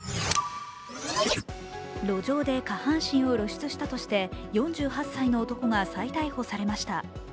路上で下半身を露出したとして４８歳の男が再逮捕されました。